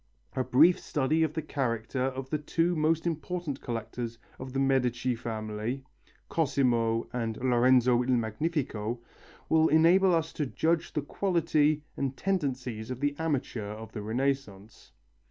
A brief study of the character of the two most important collectors of the Medici family, Cosimo and Lorenzo il Magnifico, will enable us to judge of the quality and tendencies of the amateur of the Renaissance.